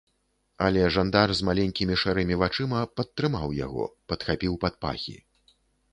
Але жандар з маленькімі шэрымі вачыма падтрымаў яго, падхапіў пад пахі.